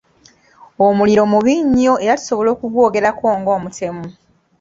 Omuliro mubi nnyo era tusobola okugwogerako ng'omutemu.